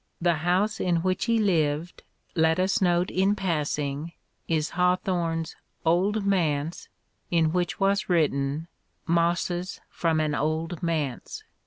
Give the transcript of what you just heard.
The house in which he lived, let us note in passing, is Hawthorne's Old Manse in which was written "Mosses from an Old Manse."